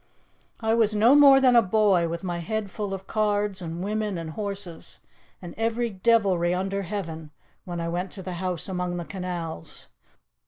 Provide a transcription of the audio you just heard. "I was no more than a boy, with my head full of cards and women and horses, and every devilry under heaven, when I went to the house among the canals.